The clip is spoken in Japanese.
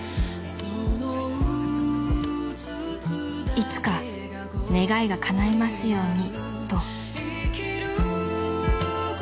［いつか願いがかないますようにと］